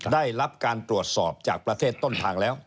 ได้รับการตรวจสอบจากประเทศต้นทางแล้ว